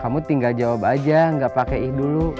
kamu tinggal jawab aja gak pake ih dulu